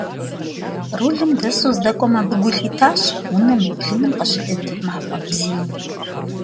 Рулым дэсу здэкӀуэм абы гу лъитащ унэм и блыным къыщылыд мафӀэ бзийм.